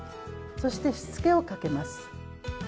そして、仕付けをかけます。